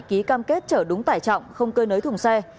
ký cam kết trở đúng tải trọng không cơ nới thùng xe